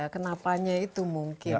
kenapanya itu mungkin